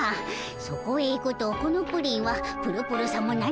そこへいくとこのプリンはぷるぷるさも何もない。